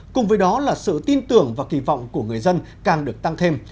cùng với đó là sự tin tưởng và kỳ vọng của người dân càng được tăng thêm